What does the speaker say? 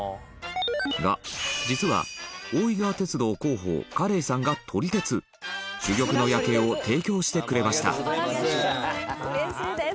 が、実は、大井川鐵道広報加冷さんが、撮り鉄珠玉の夜景を提供してくれました本仮屋：うれしいです！